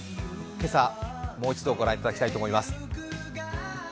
今朝、もう一度御覧いただきたいと思います。